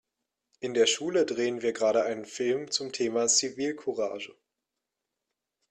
In der Schule drehen wir gerade einen Film zum Thema Zivilcourage.